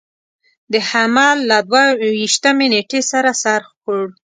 د حمل له دوه ویشتمې نېټې سره سر خوړ.